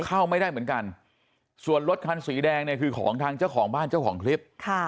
เข้าไม่ได้เหมือนกันส่วนรถคันสีแดงเนี่ยคือของทางเจ้าของบ้านเจ้าของคลิป